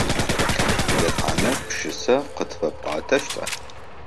Етӏанэ пшысэ къытфэпӏотэщта?